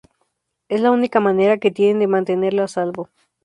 Es la única manera que tienen de mantenerlo a salvo.